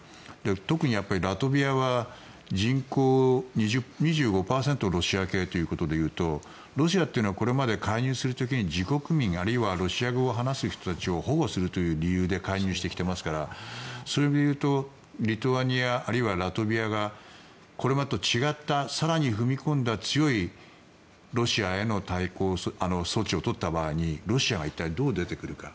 特にラトビアは、人口の２５％がロシア系ということで言うとロシアというのはこれまで介入する時に自国民、あるいはロシア語を話す人たちを保護するという理由で介入してきてますからそれでいうとリトアニア、あるいはラトビアがこれまでと違った更に踏み込んだ強いロシアへの対抗措置を取った場合にロシアは一体どう出てくるか。